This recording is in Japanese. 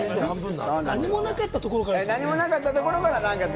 何もなかったところからです